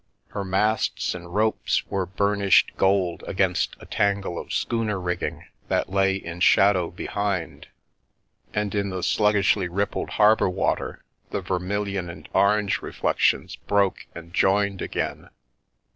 Her masts and ropes were burnished gold against a tan gle of schooner rigging that lay in shadow behind, and in the sluggishly rippled harbour water the vermilion and orange reflections broke and joined again.